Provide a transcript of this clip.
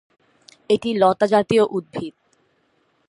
এটি লতা জাতীয় উদ্ভিদ।